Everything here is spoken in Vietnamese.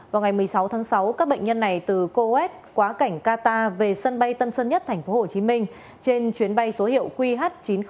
vào ngày một mươi sáu tháng sáu các bệnh nhân này từ coes quá cảnh qatar về sân bay tân sơn nhất tp hcm trên chuyến bay số hiệu qh chín nghìn chín mươi hai